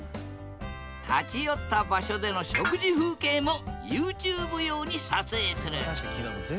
立ち寄った場所での食事風景もＹｏｕＴｕｂｅ用に撮影する。